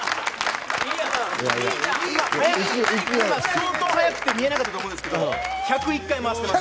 相当早くて見えなかったと思うんですけど１０１回、回してます。